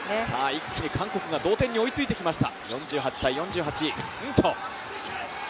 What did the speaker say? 一気に韓国が同点に追いついてきました。